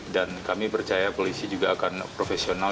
dan kami percaya polisi juga akan profesional